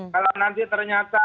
kalau nanti ternyata